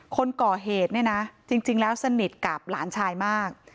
คนก่อเหตุจริงแล้วสนิทกับหลานชายมาก